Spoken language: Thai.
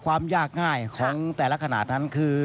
ความยากง่ายของแต่ละขนาดนั้นคือ